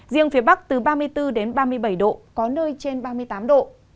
riêng phía bắc từ ba mươi bốn đến ba mươi bảy độ có nơi trên ba mươi tám độ